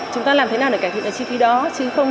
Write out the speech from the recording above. chúng ta làm thế nào để cải thiện cái chi phí đó chứ không